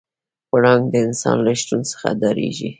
پړانګ د انسان له شتون څخه ډارېږي.